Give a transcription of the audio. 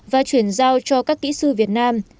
và chuyển giao cho các kỹ sư việt nam